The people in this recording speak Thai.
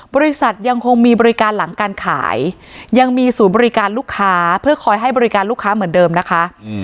บริษัทยังคงมีบริการหลังการขายยังมีศูนย์บริการลูกค้าเพื่อคอยให้บริการลูกค้าเหมือนเดิมนะคะ